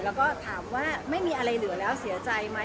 แล้วก็ถามว่าไม่มีอะไรเหลือแล้วเสียใจไหม